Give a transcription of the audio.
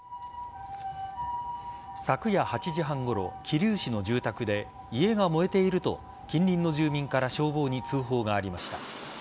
昨夜８時半ごろ桐生市の住宅で家が燃えていると近隣の住民から消防に通報がありました。